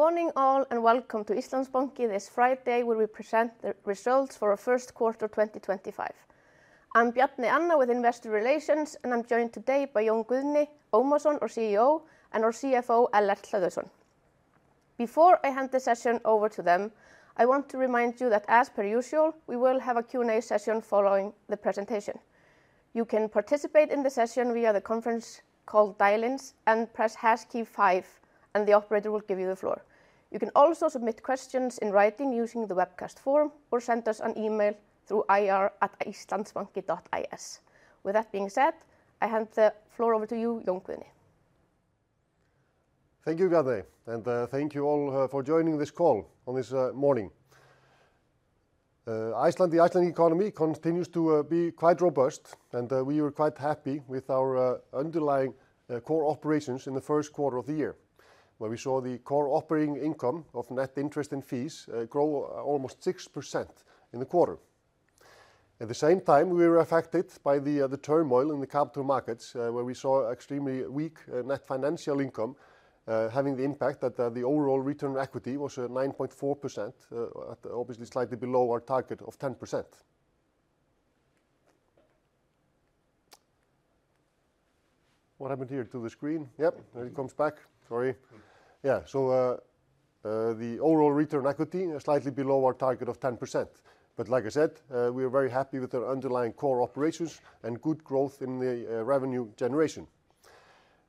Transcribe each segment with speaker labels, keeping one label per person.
Speaker 1: Good morning, all, and welcome to Íslandsbanki this Friday, where we present the results for our first quarter 2025. I'm Bjarney Anna with Investor Relations, and I'm joined today by Jón Guðni Ómarsson, our CEO, and our CFO, Ellert Hlöðversson. Before I hand the session over to them, I want to remind you that, as per usual, we will have a Q&A session following the presentation. You can participate in the session via the conference call dial-ins and press hush 25, and the operator will give you the floor. You can also submit questions in writing using the webcast form or send us an email through ir@islandsbanki.is. With that being said, I hand the floor over to you, Jón Guðni.
Speaker 2: Thank you, Bjarney, and thank you all for joining this call on this morning. Iceland, the Icelandic economy continues to be quite robust, and we were quite happy with our underlying core operations in the first quarter of the year, where we saw the core operating income of net interest and fees grow almost 6% in the quarter. At the same time, we were affected by the turmoil in the capital markets, where we saw extremely weak net financial income, having the impact that the overall return on equity was 9.4%, obviously slightly below our target of 10%.
Speaker 3: What happened here deer?
Speaker 2: to the screen? Yep, it comes back. Sorry. Yeah, the overall return on equity is slightly below our target of 10%. Like I said, we are very happy with our underlying core operations and good growth in the revenue generation.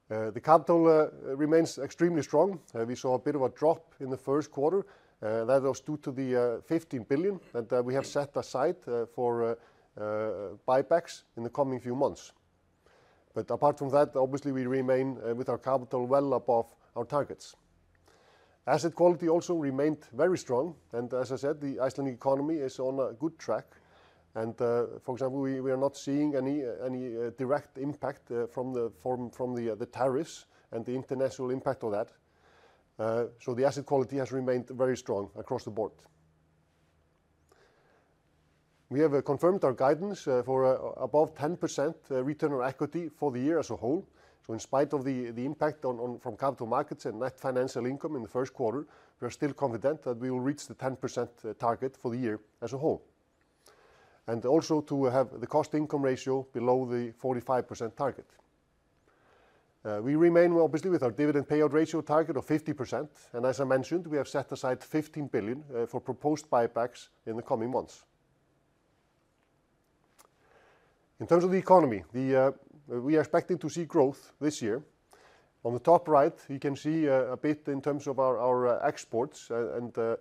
Speaker 2: The capital remains extremely strong. We saw a bit of a drop in the first quarter. That was due to the 15 billion that we have set aside for buybacks in the coming few months. Apart from that, obviously, we remain with our capital well above our targets. Asset quality also remained very strong. As I said, the Icelandic economy is on a good track. For example, we are not seeing any direct impact from the tariffs and the international impact of that. The asset quality has remained very strong across the board. We have confirmed our guidance for above 10% return on equity for the year as a whole. In spite of the impact from capital markets and net financial income in the first quarter, we are still confident that we will reach the 10% target for the year as a whole. We also aim to have the cost-to-income ratio below the 45% target. We remain, obviously, with our dividend payout ratio target of 50%. As I mentioned, we have set aside 15 billion for proposed buybacks in the coming months. In terms of the economy, we are expecting to see growth this year. On the top right, you can see a bit in terms of our exports. On the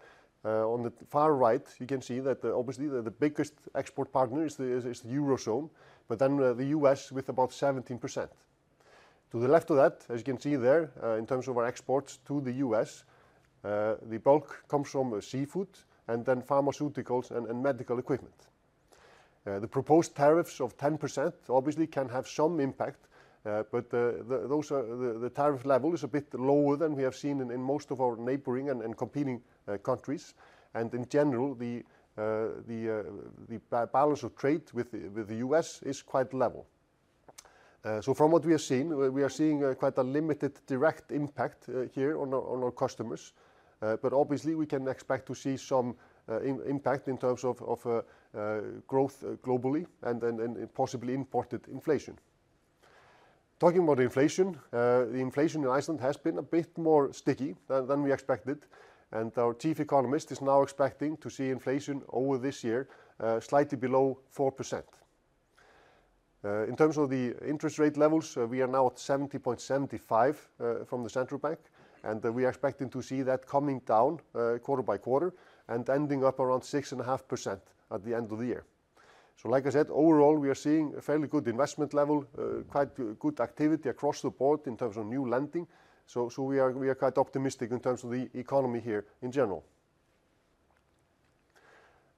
Speaker 2: far right, you can see that obviously the biggest export partner is the Eurozone, but then the U.S. with about 17%. To the left of that, as you can see there, in terms of our exports to the U.S., the bulk comes from seafood and then pharmaceuticals and medical equipment. The proposed tariffs of 10% obviously can have some impact, but the tariff level is a bit lower than we have seen in most of our neighboring and competing countries. In general, the balance of trade with the U.S. is quite level. From what we have seen, we are seeing quite a limited direct impact here on our customers. Obviously, we can expect to see some impact in terms of growth globally and possibly imported inflation. Talking about inflation, the inflation in Iceland has been a bit more sticky than we expected. Our Chief Economist is now expecting to see inflation over this year slightly below 4%. In terms of the interest rate levels, we are now at ISK 7.75% from the central bank, and we are expecting to see that coming down quarter by quarter and ending up around 6.5% at the end of the year. Like I said, overall, we are seeing a fairly good investment level, quite good activity across the board in terms of new lending. We are quite optimistic in terms of the economy here in general.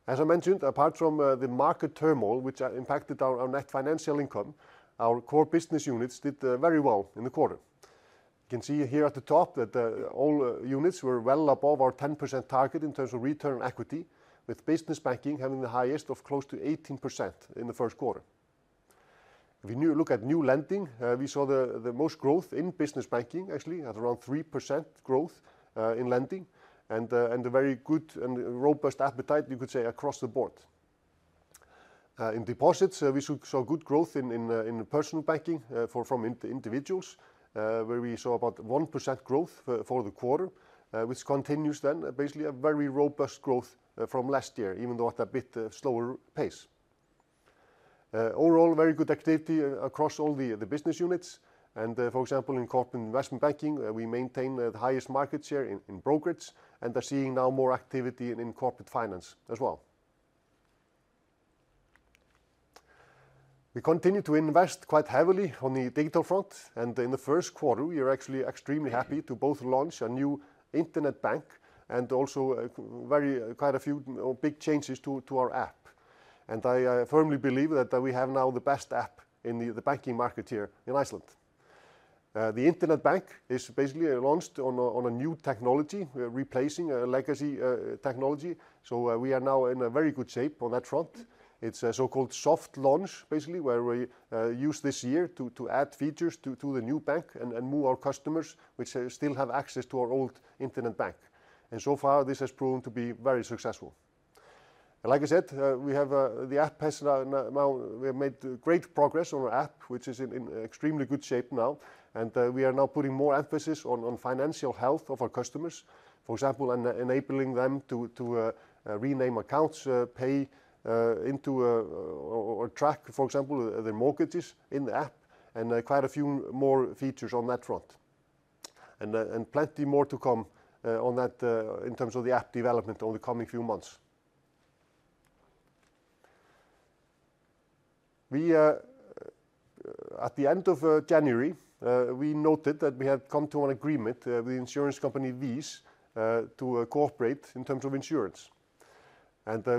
Speaker 2: As I mentioned, apart from the market turmoil, which impacted our net financial income, our core business units did very well in the quarter. You can see here at the top that all units were well above our 10% target in terms of return on equity, with business banking having the highest of close to 18% in the first quarter. If we look at new lending, we saw the most growth in business banking, actually, at around 3% growth in lending and a very good and robust appetite, you could say, across the board. In deposits, we saw good growth in personal banking from individuals, where we saw about 1% growth for the quarter, which continues then basically a very robust growth from last year, even though at a bit slower pace. Overall, very good activity across all the business units. For example, in corporate investment banking, we maintain the highest market share in brokerage and are seeing now more activity in corporate finance as well. We continue to invest quite heavily on the digital front. In the first quarter, we are actually extremely happy to both launch a new internet bank and also quite a few big changes to our app. I firmly believe that we have now the best app in the banking market here in Iceland. The internet bank is basically launched on a new technology, replacing a legacy technology. We are now in very good shape on that front. It is a so-called soft launch, basically, where we use this year to add features to the new bank and move our customers which still have access to our old internet bank. So far, this has proven to be very successful. Like I said, we have now made great progress on our app, which is in extremely good shape now. We are now putting more emphasis on financial health of our customers, for example, enabling them to rename accounts, pay into or track, for example, their mortgages in the app, and quite a few more features on that front. Plenty more to come on that in terms of the app development over the coming few months. At the end of January, we noted that we had come to an agreement with insurance company VEES to cooperate in terms of insurance.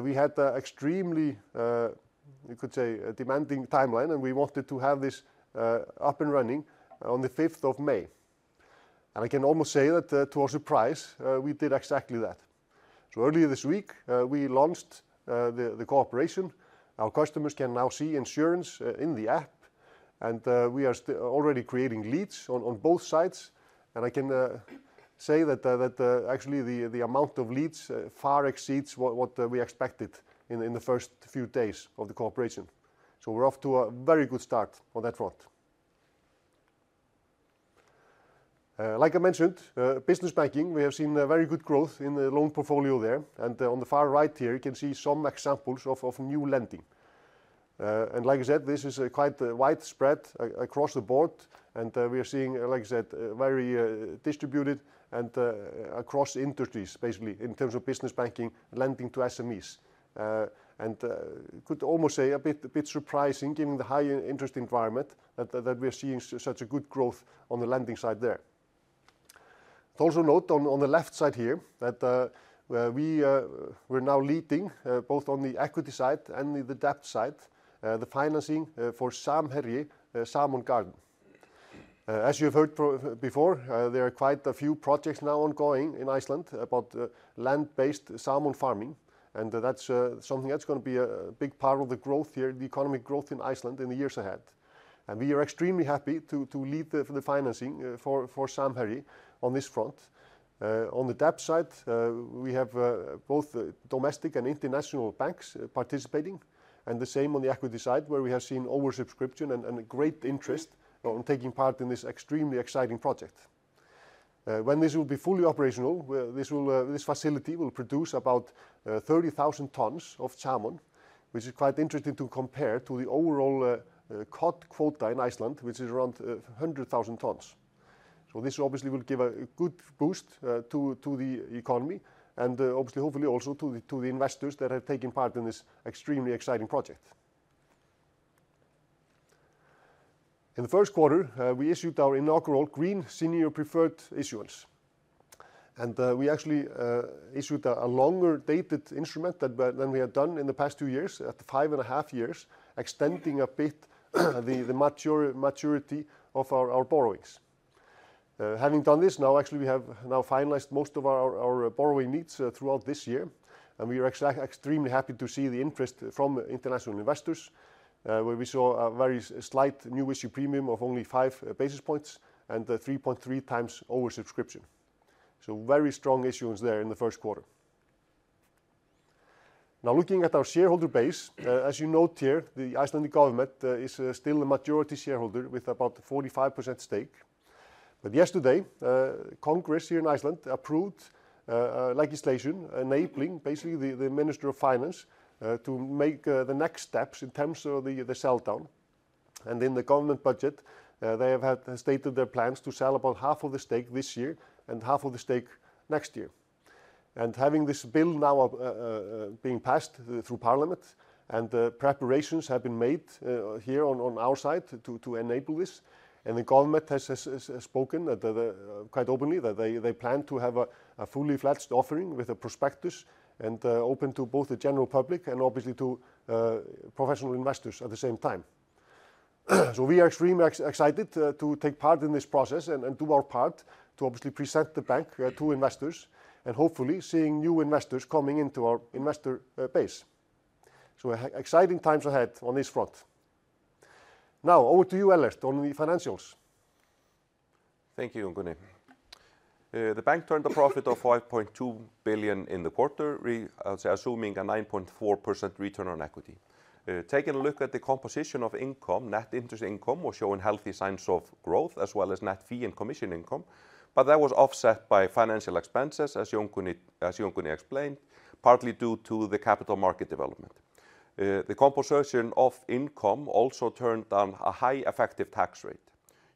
Speaker 2: We had an extremely, you could say, demanding timeline, and we wanted to have this up and running on the 5th of May. I can almost say that to our surprise, we did exactly that. Earlier this week, we launched the cooperation. Our customers can now see insurance in the app, and we are already creating leads on both sides. I can say that actually the amount of leads far exceeds what we expected in the first few days of the cooperation. We are off to a very good start on that front. Like I mentioned, business banking, we have seen very good growth in the loan portfolio there. On the far right here, you can see some examples of new lending. Like I said, this is quite widespread across the board. We are seeing, like I said, very distributed and across industries, basically in terms of business banking, lending to SMEs. I could almost say a bit surprising, given the high interest environment that we are seeing such a good growth on the lending side there. Also note on the left side here that we are now leading both on the equity side and the debt side, the financing for Samherji, salmon garden. As you have heard before, there are quite a few projects now ongoing in Iceland about land-based salmon farming. That is something that is going to be a big part of the growth here, the economic growth in Iceland in the years ahead. We are extremely happy to lead the financing for Samherji on this front. On the debt side, we have both domestic and international banks participating. The same on the equity side, where we have seen oversubscription and great interest in taking part in this extremely exciting project. When this will be fully operational, this facility will produce about 30,000 tons of salmon, which is quite interesting to compare to the overall cod quota in Iceland, which is around 100,000 tons. This obviously will give a good boost to the economy and obviously, hopefully also to the investors that have taken part in this extremely exciting project. In the first quarter, we issued our inaugural green senior preferred issuance. We actually issued a longer dated instrument than we had done in the past two years, at five and a half years, extending a bit the maturity of our borrowings. Having done this, now actually we have now finalized most of our borrowing needs throughout this year. We are extremely happy to see the interest from international investors, where we saw a very slight new issue premium of only five basis points and 3.3 times oversubscription. Very strong issuance there in the first quarter. Now looking at our shareholder base, as you note here, the Icelandic government is still a majority shareholder with about 45% stake. Yesterday, Congress here in Iceland approved legislation enabling basically the Minister of Finance to make the next steps in terms of the sell down. In the government budget, they have stated their plans to sell about half of the stake this year and half of the stake next year. Having this bill now being passed through Parliament and preparations have been made here on our side to enable this. The government has spoken quite openly that they plan to have a fully fledged offering with a prospectus and open to both the general public and obviously to professional investors at the same time. We are extremely excited to take part in this process and do our part to obviously present the bank to investors and hopefully seeing new investors coming into our investor base. Exciting times ahead on this front. Now over to you, Ellert, on the financials.
Speaker 3: Thank you, Jón Guðni. The bank turned a profit of 5.2 billion in the quarter, assuming a 9.4% return on equity. Taking a look at the composition of income, net interest income was showing healthy signs of growth, as well as net fee and commission income. That was offset by financial expenses, as Jón Guðni explained, partly due to the capital market development. The composition of income also turned down a high effective tax rate.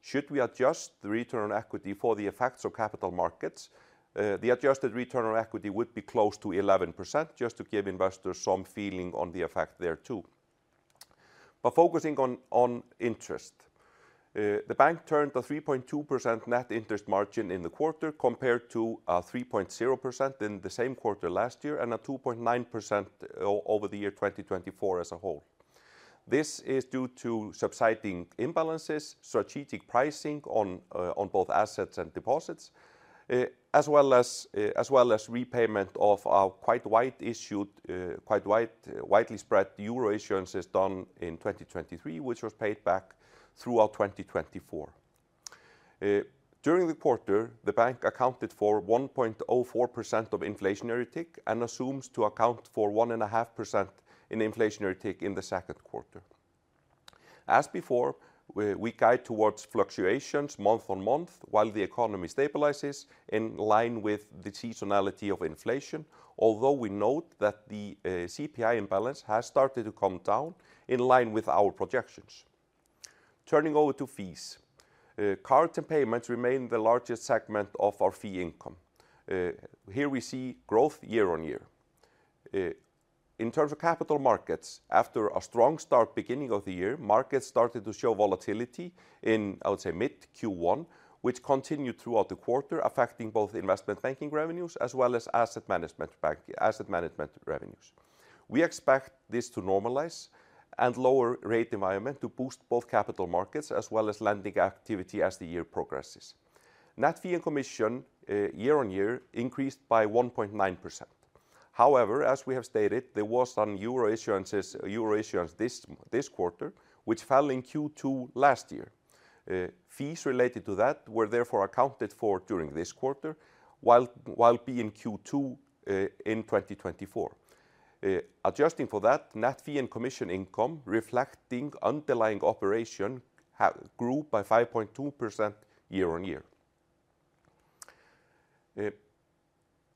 Speaker 3: Should we adjust the return on equity for the effects of capital markets, the adjusted return on equity would be close to 11%, just to give investors some feeling on the effect there too. Focusing on interest, the bank turned a 3.2% net interest margin in the quarter compared to a 3.0% in the same quarter last year and a 2.9% over the year 2024 as a whole. This is due to subsiding imbalances, strategic pricing on both assets and deposits, as well as repayment of our quite widely spread EUR issuances done in 2023, which was paid back throughout 2024. During the quarter, the bank accounted for 1.04% of inflationary tick and assumes to account for 1.5% in inflationary tick in the second quarter. As before, we guide towards fluctuations month on month while the economy stabilizes in line with the seasonality of inflation, although we note that the CPI imbalance has started to come down in line with our projections. Turning over to fees, card and payments remain the largest segment of our fee income. Here we see growth year on year. In terms of capital markets, after a strong start beginning of the year, markets started to show volatility in, I would say, mid Q1, which continued throughout the quarter, affecting both investment banking revenues as well as asset management revenues. We expect this to normalize and lower rate environment to boost both capital markets as well as lending activity as the year progresses. Net fee and commission year on year increased by 1.9%. However, as we have stated, there was some EUR issuance this quarter, which fell in Q2 last year. Fees related to that were therefore accounted for during this quarter, while being Q2 in 2024. Adjusting for that, net fee and commission income reflecting underlying operation grew by 5.2% year on year.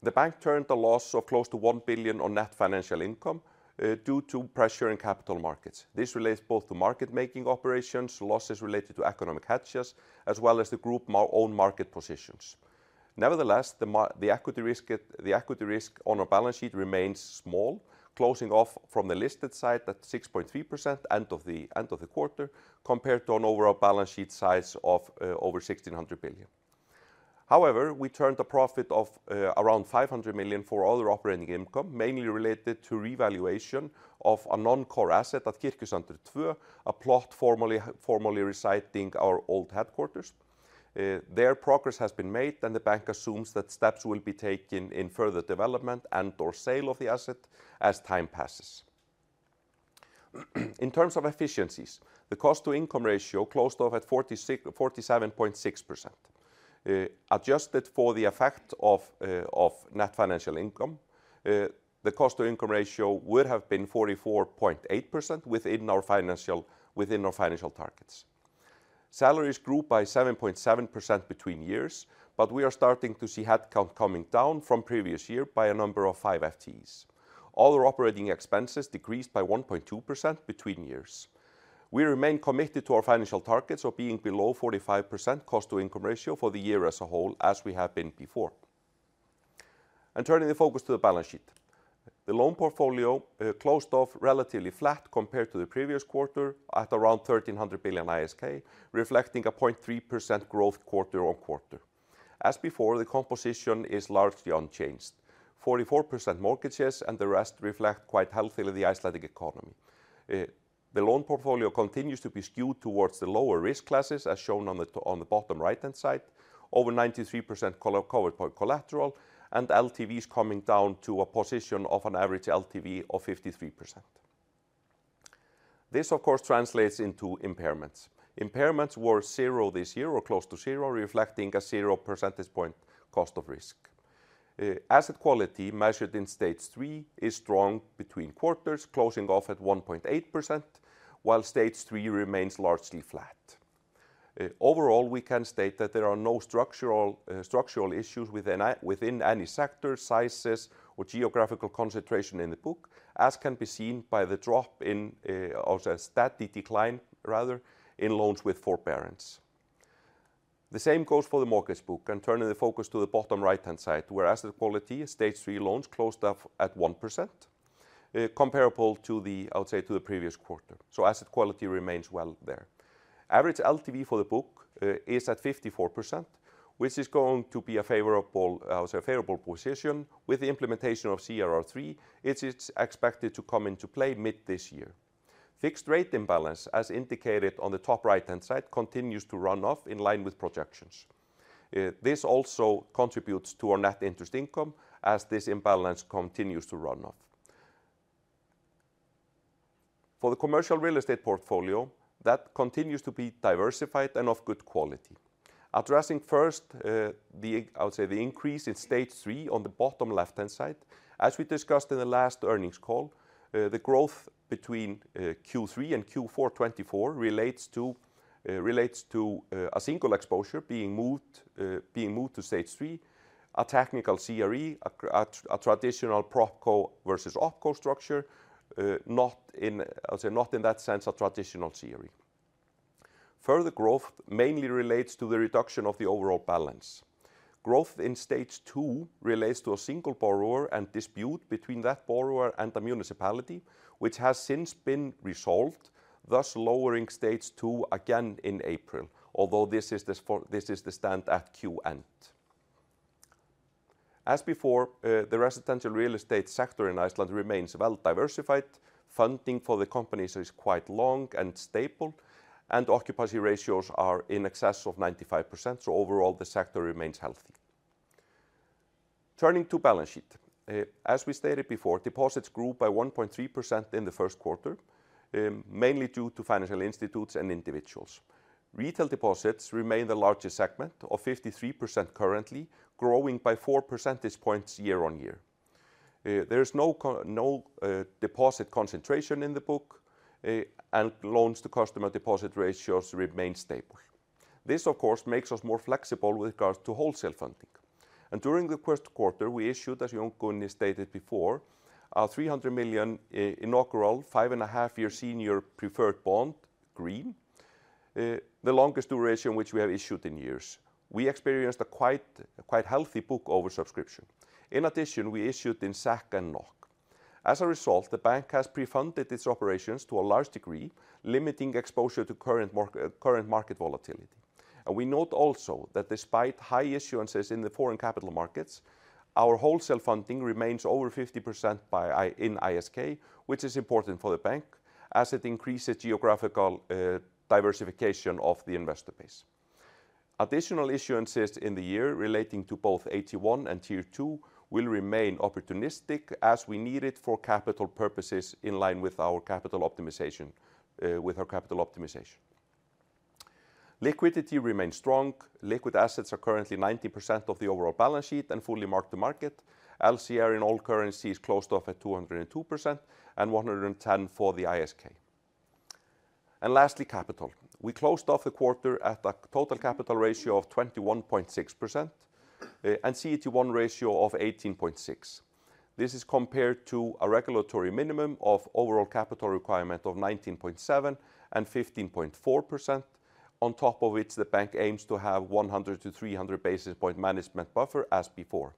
Speaker 3: The bank turned a loss of close to 1 billion on net financial income due to pressure in capital markets. This relates both to market making operations, losses related to economic hedges, as well as the group-owned market positions. Nevertheless, the equity risk on our balance sheet remains small, closing off from the listed side at 6.3% end of the quarter compared to an overall balance sheet size of over 1,600 billion. However, we turned a profit of around 500 million for other operating income, mainly related to revaluation of a non-core asset at Kirkjusæter 2, a plot formerly residing our old headquarters. There, progress has been made and the bank assumes that steps will be taken in further development and/or sale of the asset as time passes. In terms of efficiencies, the cost-to-income ratio closed off at 47.6%. Adjusted for the effect of net financial income, the cost-to-income ratio would have been 44.8% within our financial targets. Salaries grew by 7.7% between years, but we are starting to see headcount coming down from previous year by a number of five FTEs. Other operating expenses decreased by 1.2% between years. We remain committed to our financial targets of being below 45% cost-to-income ratio for the year as a whole as we have been before. Turning the focus to the balance sheet, the loan portfolio closed off relatively flat compared to the previous quarter at around 1,300 billion ISK, reflecting a 0.3% growth quarter on quarter. As before, the composition is largely unchanged. 44% mortgages and the rest reflect quite healthily the Icelandic economy. The loan portfolio continues to be skewed towards the lower risk classes as shown on the bottom right-hand side, over 93% covered by collateral and LTVs coming down to a position of an average LTV of 53%. This of course translates into impairments. Impairments were zero this year or close to zero, reflecting a zero percentage point cost of risk. Asset quality measured in stage three is strong between quarters, closing off at 1.8%, while stage three remains largely flat. Overall, we can state that there are no structural issues within any sector, sizes, or geographical concentration in the book, as can be seen by the drop in, or a steady decline rather, in loans with four parents. The same goes for the mortgage book and turning the focus to the bottom right-hand side, where asset quality, stage three loans closed off at 1%, comparable to the, I would say, to the previous quarter. Asset quality remains well there. Average LTV for the book is at 54%, which is going to be a favorable position with the implementation of CRR3. It is expected to come into play mid this year. Fixed rate imbalance, as indicated on the top right-hand side, continues to run off in line with projections. This also contributes to our net interest income as this imbalance continues to run off. For the commercial real estate portfolio, that continues to be diversified and of good quality. Addressing first the, I would say, the increase in stage three on the bottom left-hand side, as we discussed in the last earnings call, the growth between Q3 and Q4 2024 relates to a single exposure being moved to stage three, a technical CRE, a traditional Propco versus Opco structure, not in, I would say, not in that sense a traditional CRE. Further growth mainly relates to the reduction of the overall balance. Growth in stage two relates to a single borrower and dispute between that borrower and the municipality, which has since been resolved, thus lowering stage two again in April, although this is the stand at quarter end. As before, the residential real estate sector in Iceland remains well diversified. Funding for the companies is quite long and stable, and occupancy ratios are in excess of 95%. Overall, the sector remains healthy. Turning to balance sheet, as we stated before, deposits grew by 1.3% in the first quarter, mainly due to financial institutes and individuals. Retail deposits remain the largest segment at 53% currently, growing by four percentage points year on year. There is no deposit concentration in the book, and loans to customer deposit ratios remain stable. This, of course, makes us more flexible with regards to wholesale funding. During the first quarter, we issued, as Jón Guðni stated before, our 300 million inaugural five and a half year green senior preferred bond, the longest duration which we have issued in years. We experienced a quite healthy book oversubscription. In addition, we issued in SEK and NOK. As a result, the bank has pre-funded its operations to a large degree, limiting exposure to current market volatility. We note also that despite high issuances in the foreign capital markets, our wholesale funding remains over 50% in ISK, which is important for the bank as it increases geographical diversification of the investor base. Additional issuances in the year relating to both AT1 and tier two will remain opportunistic as we need it for capital purposes in line with our capital optimization. Liquidity remains strong. Liquid assets are currently 90% of the overall balance sheet and fully marked to market. LCR in all currencies closed off at 202% and 110% for the ISK. Lastly, capital. We closed off the quarter at a total capital ratio of 21.6% and CT1 ratio of 18.6%. This is compared to a regulatory minimum of overall capital requirement of 19.7% and 15.4%. On top of it, the bank aims to have 100 to 300 basis point management buffer as before.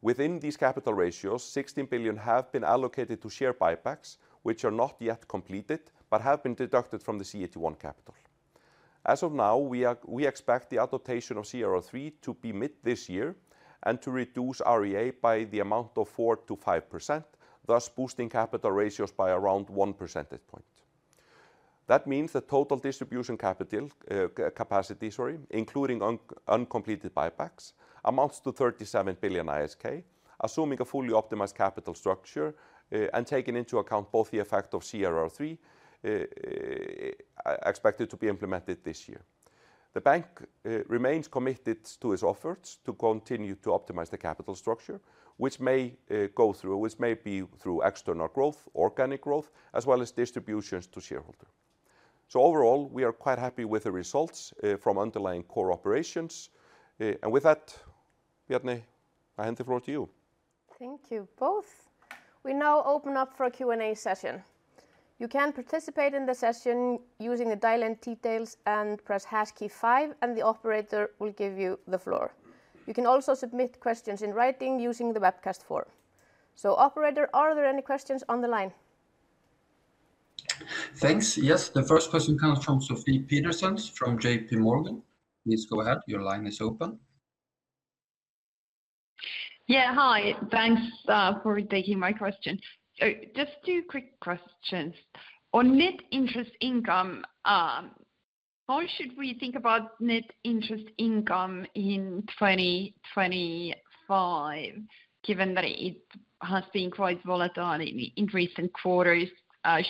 Speaker 3: Within these capital ratios, 16 billion have been allocated to share buybacks, which are not yet completed but have been deducted from the CT1 capital. As of now, we expect the adaptation of CRR3 to be mid this year and to reduce REA by the amount of 4%-5%, thus boosting capital ratios by around one percentage point. That means the total distribution capacity, including uncompleted buybacks, amounts to 37 billion ISK, assuming a fully optimized capital structure and taking into account both the effect of CRR3 expected to be implemented this year. The bank remains committed to its efforts to continue to optimize the capital structure, which may be through external growth, organic growth, as well as distributions to shareholders. Overall, we are quite happy with the results from underlying core operations. With that, Bjarney, I hand the floor to you.
Speaker 1: Thank you both. We now open up for a Q&A session. You can participate in the session using the dial-in details and press hash key five, and the operator will give you the floor. You can also submit questions in writing using the webcast form. Operator, are there any questions on the line?
Speaker 4: Thanks. Yes, the first question comes from Sophie Peterson from JP Morgan. Please go ahead. Your line is open.
Speaker 5: Yeah, hi. Thanks for taking my question. Just two quick questions. On net interest income, how should we think about net interest income in 2025, given that it has been quite volatile in recent quarters?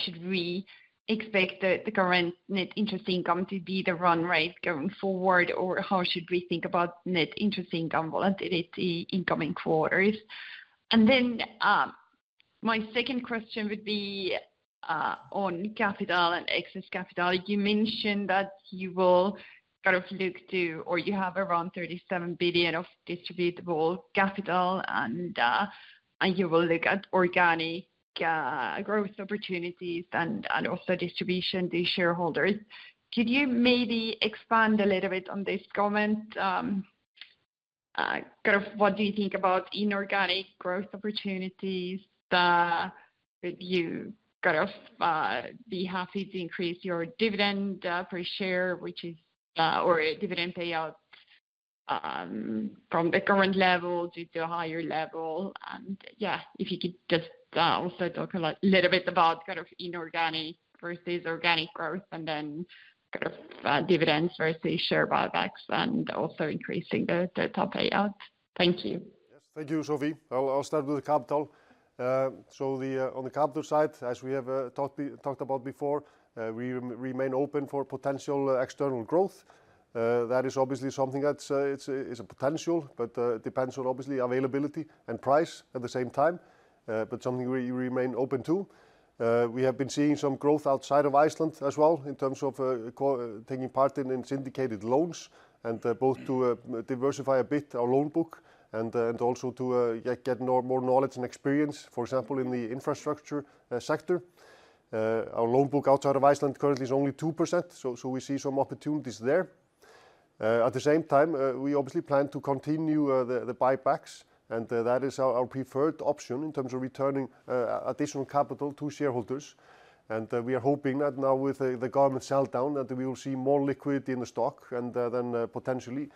Speaker 5: Should we expect the current net interest income to be the run rate going forward, or how should we think about net interest income volatility in coming quarters? My second question would be on capital and excess capital. You mentioned that you will kind of look to, or you have around 37 billion of distributable capital, and you will look at organic growth opportunities and also distribution to shareholders. Could you maybe expand a little bit on this comment? Kind of what do you think about inorganic growth opportunities? Would you kind of be happy to increase your dividend per share, which is, or dividend payout from the current level due to a higher level? Yeah, if you could just also talk a little bit about kind of inorganic versus organic growth and then kind of dividends versus share buybacks and also increasing the top payout. Thank you.
Speaker 6: Thank you, Sophie. I'll start with the capital. On the capital side, as we have talked about before, we remain open for potential external growth. That is obviously something that is a potential, but it depends on obviously availability and price at the same time, but something we remain open to. We have been seeing some growth outside of Iceland as well in terms of taking part in syndicated loans and both to diversify a bit our loan book and also to get more knowledge and experience, for example, in the infrastructure sector. Our loan book outside of Iceland currently is only 2%, so we see some opportunities there. At the same time, we obviously plan to continue the buybacks, and that is our preferred option in terms of returning additional capital to shareholders. We are hoping that now with the government shutdown, we will see more liquidity in the stock and potentially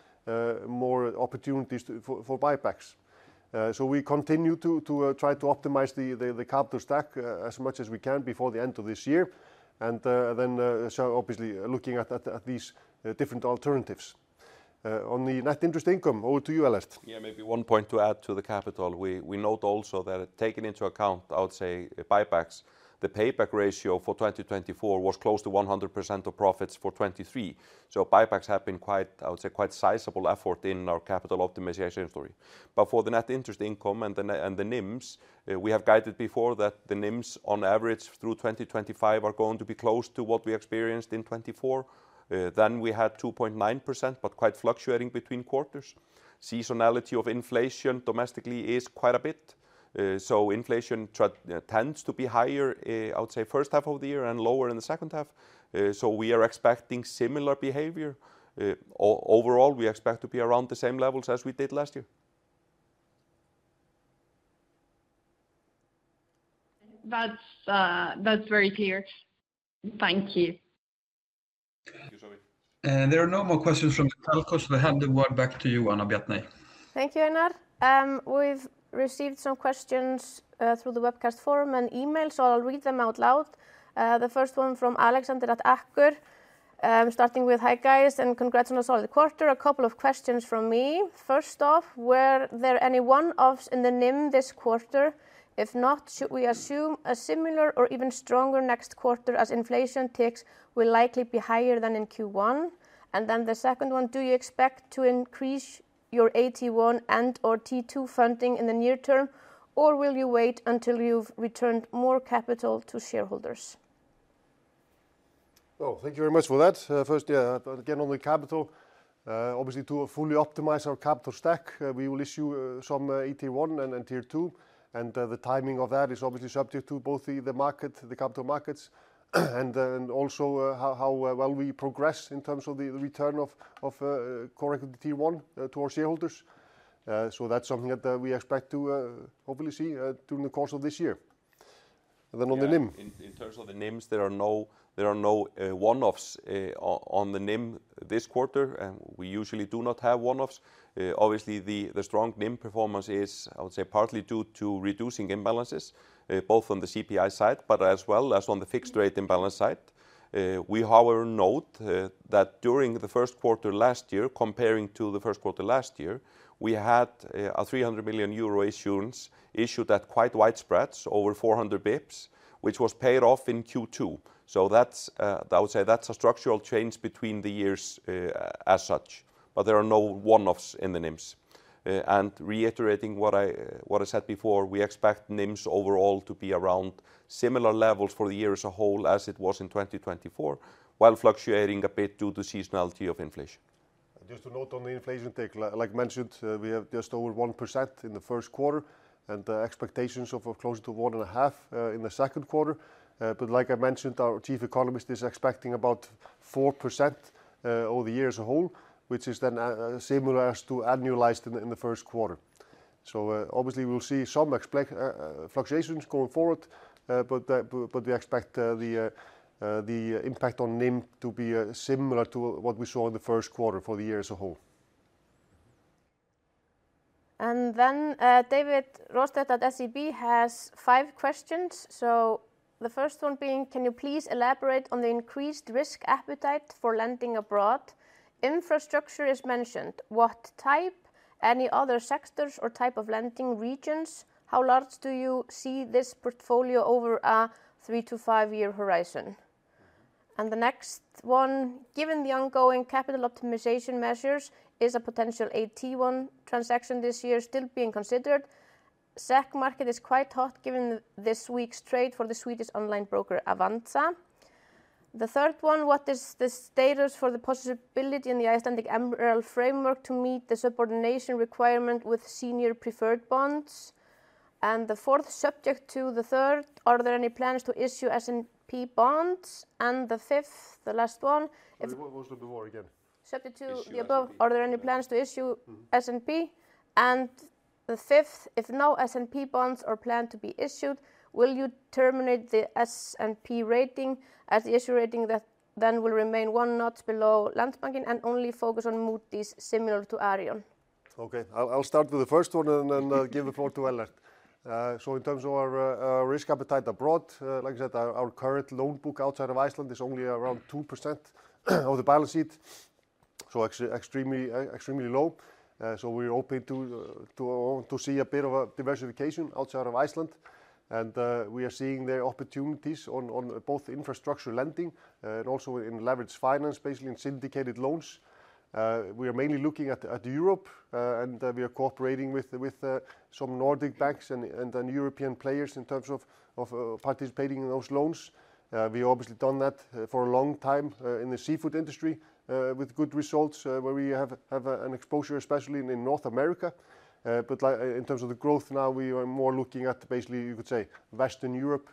Speaker 6: more opportunities for buybacks. We continue to try to optimize the capital stack as much as we can before the end of this year, and obviously looking at these different alternatives. On the net interest income, over to you, Ellert.
Speaker 3: Yeah, maybe one point to add to the capital. We note also that taking into account, I would say, buybacks, the payback ratio for 2024 was close to 100% of profits for 2023. So buybacks have been quite, I would say, quite sizable effort in our capital optimization story. For the net interest income and the NIMs, we have guided before that the NIMs on average through 2025 are going to be close to what we experienced in 2024. We had 2.9%, but quite fluctuating between quarters. Seasonality of inflation domestically is quite a bit. Inflation tends to be higher, I would say, first half of the year and lower in the second half. We are expecting similar behavior. Overall, we expect to be around the same levels as we did last year.
Speaker 5: That's very clear. Thank you.
Speaker 2: Thank you, Sophie.
Speaker 4: There are no more questions from the telco, so I hand the word back to you, Bjarney Anna.
Speaker 1: Thank you, Einar. We've received some questions through the webcast forum and email, so I'll read them out loud. The first one from Alexander at Akkur, starting with, "Hi guys, and congrats on the solid quarter." A couple of questions from me. First off, were there any one-offs in the NIM this quarter? If not, should we assume a similar or even stronger next quarter as inflation ticks will likely be higher than in Q1? The second one, do you expect to increase your AT1 and/or tier two funding in the near term, or will you wait until you've returned more capital to shareholders?
Speaker 2: Oh, thank you very much for that. First, yeah, again on the capital, obviously to fully optimize our capital stack, we will issue some AT1 and tier two, and the timing of that is obviously subject to both the market, the capital markets, and also how well we progress in terms of the return of corrected tier one to our shareholders. That is something that we expect to hopefully see during the course of this year. And then on the NIM.
Speaker 3: In terms of the NIMs, there are no one-offs on the NIM this quarter, and we usually do not have one-offs. Obviously, the strong NIM performance is, I would say, partly due to reducing imbalances, both on the CPI side, but as well as on the fixed rate imbalance side. We, however, note that during the first quarter last year, comparing to the first quarter last year, we had a 300 million euro issuance issued at quite wide spreads, over 400 basis points, which was paid off in Q2. That's, I would say, that's a structural change between the years as such, but there are no one-offs in the NIMs. Reiterating what I said before, we expect NIMs overall to be around similar levels for the year as a whole as it was in 2024, while fluctuating a bit due to seasonality of inflation.
Speaker 2: Just to note on the inflationary tick, like mentioned, we have just over 1% in the first quarter and expectations of close to 1.5% in the second quarter. Like I mentioned, our Chief Economist is expecting about 4% over the year as a whole, which is then similar as to annualized in the first quarter. Obviously, we'll see some fluctuations going forward, but we expect the impact on NIM to be similar to what we saw in the first quarter for the year as a whole.
Speaker 1: David Rothner at SEB has five questions. The first one being, can you please elaborate on the increased risk appetite for lending abroad? Infrastructure is mentioned. What type? Any other sectors or type of lending regions? How large do you see this portfolio over a three to five year horizon? The next one, given the ongoing capital optimization measures, is a potential AT1 transaction this year still being considered? SAC market is quite hot given this week's trade for the Swedish online broker Avanza. The third one, what is the status for the possibility in the Icelandic Emerald framework to meet the subordination requirement with senior preferred bonds? The fourth, subject to the third, are there any plans to issue S&P bonds? The fifth, the last one.
Speaker 6: What was the before again?
Speaker 1: Subject to the above, are there any plans to issue S&P? The fifth, if no S&P bonds are planned to be issued, will you terminate the S&P rating as the issue rating that then will remain one notch below Landsbankinn and only focus on Moody's similar to Arion?
Speaker 2: Okay, I'll start with the first one and then give the floor to Ellert. In terms of our risk appetite abroad, like I said, our current loan book outside of Iceland is only around 2% of the balance sheet, so extremely low. We're open to see a bit of diversification outside of Iceland. We are seeing the opportunities on both infrastructure lending and also in leverage finance, basically in syndicated loans. We are mainly looking at Europe and we are cooperating with some Nordic banks and European players in terms of participating in those loans. We have obviously done that for a long time in the seafood industry with good results where we have an exposure, especially in North America. In terms of the growth now, we are more looking at basically, you could say, Western Europe.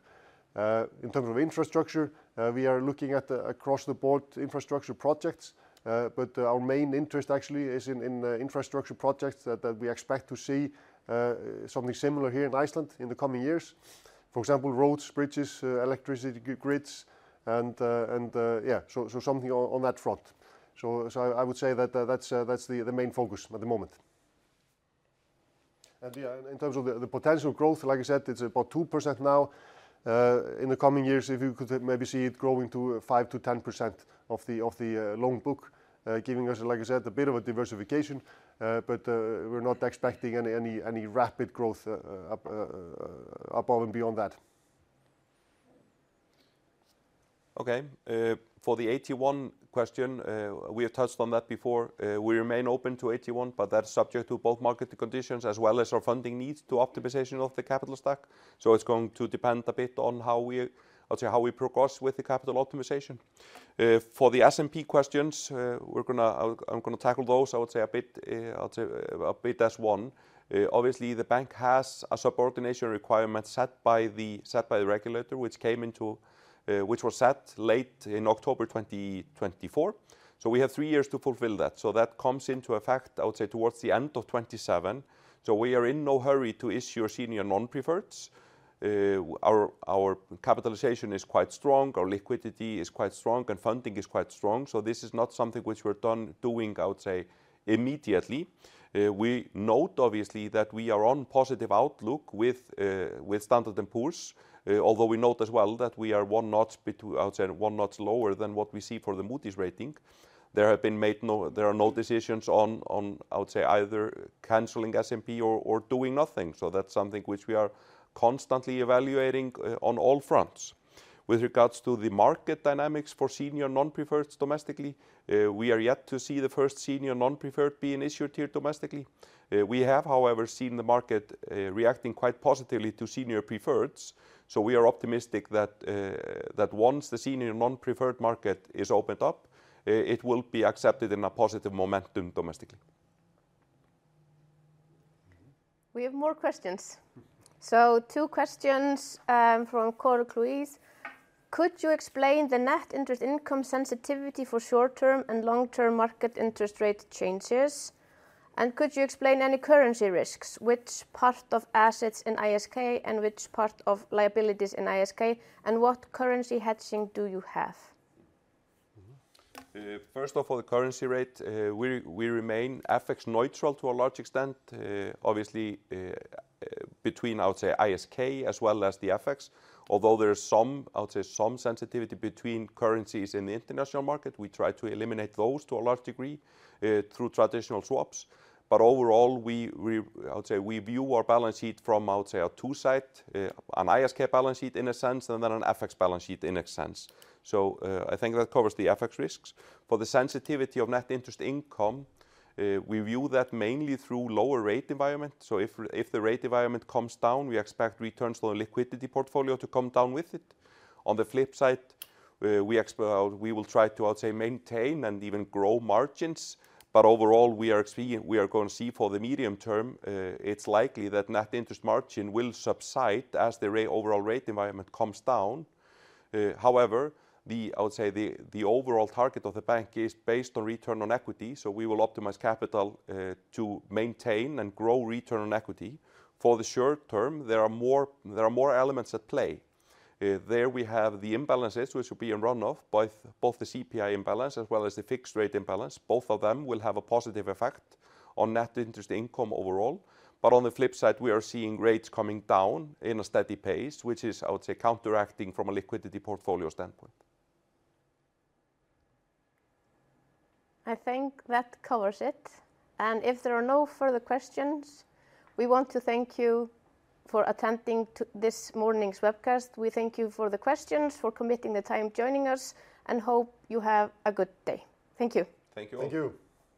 Speaker 2: In terms of infrastructure, we are looking at across the board infrastructure projects, but our main interest actually is in infrastructure projects that we expect to see something similar here in Iceland in the coming years. For example, roads, bridges, electricity grids, and yeah, something on that front. I would say that is the main focus at the moment. Yeah, in terms of the potential growth, like I said, it is about 2% now. In the coming years, you could maybe see it growing to 5-10% of the loan book, giving us, like I said, a bit of a diversification, but we are not expecting any rapid growth above and beyond that.
Speaker 3: Okay, for the AT1 question, we have touched on that before. We remain open to AT1, but that's subject to both market conditions as well as our funding needs to optimization of the capital stack. It's going to depend a bit on how we progress with the capital optimization. For the S&P questions, I'm going to tackle those, I would say, a bit as one. Obviously, the bank has a subordination requirement set by the regulator, which was set late in October 2024. We have three years to fulfill that. That comes into effect, I would say, towards the end of 2027. We are in no hurry to issue our senior non-preferreds. Our capitalization is quite strong, our liquidity is quite strong, and funding is quite strong. This is not something which we're doing, I would say, immediately. We note, obviously, that we are on positive outlook with Standard & Poor's, although we note as well that we are one notch, I would say, one notch lower than what we see for the Moody's rating. There have been made no decisions on, I would say, either canceling S&P or doing nothing. That is something which we are constantly evaluating on all fronts. With regards to the market dynamics for senior non-preferreds domestically, we are yet to see the first senior non-preferred being issued here domestically. We have, however, seen the market reacting quite positively to senior preferreds. We are optimistic that once the senior non-preferred market is opened up, it will be accepted in a positive momentum domestically.
Speaker 1: We have more questions. Two questions from Coron Luis. Could you explain the net interest income sensitivity for short-term and long-term market interest rate changes? Could you explain any currency risks? Which part of assets in ISK and which part of liabilities in ISK? What currency hedging do you have?
Speaker 3: First of all, the currency rate, we remain FX neutral to a large extent, obviously between, I would say, ISK as well as the FX. Although there is some, I would say, some sensitivity between currencies in the international market, we try to eliminate those to a large degree through traditional swaps. Overall, I would say we view our balance sheet from, I would say, a two-side, an ISK balance sheet in a sense, and then an FX balance sheet in a sense. I think that covers the FX risks. For the sensitivity of net interest income, we view that mainly through lower rate environment. If the rate environment comes down, we expect returns on the liquidity portfolio to come down with it. On the flip side, we will try to, I would say, maintain and even grow margins. Overall, we are going to see for the medium term, it's likely that net interest margin will subside as the overall rate environment comes down. However, I would say the overall target of the bank is based on return on equity. We will optimize capital to maintain and grow return on equity. For the short term, there are more elements at play. There we have the imbalances, which would be a runoff, both the CPI imbalance as well as the fixed rate imbalance. Both of them will have a positive effect on net interest income overall. On the flip side, we are seeing rates coming down in a steady pace, which is, I would say, counteracting from a liquidity portfolio standpoint.
Speaker 7: I think that covers it. If there are no further questions, we want to thank you for attending this morning's webcast. We thank you for the questions, for committing the time joining us, and hope you have a good day. Thank you.
Speaker 3: Thank you all.
Speaker 6: Thank you.